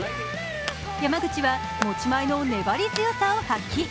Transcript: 山口は持ち前の粘り強さを発揮。